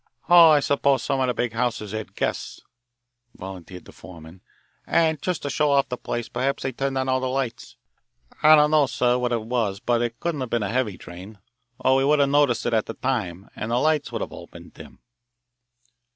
"Oh, I suppose some of the big houses had guests," volunteered the foreman, "and just to show off the place perhaps they turned on all the lights. I don't know, sir, what it was, but it couldn't have been a heavy drain, or we would have noticed it at the time, and the lights would all have been dim."